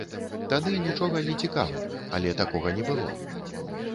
Тады нічога не цікава, але такога не было.